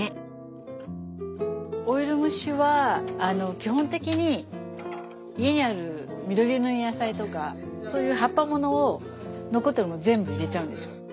オイル蒸しは基本的に家にある緑色の野菜とかそういう葉っぱものを残ってるものを全部入れちゃうんですよ。